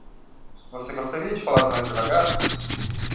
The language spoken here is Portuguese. Você gostaria de falar mais devagar?